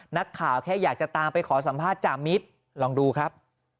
นักข่าวแค่อยากจะตามไปขอสัมภาษณ์จามิตรลองดูครับ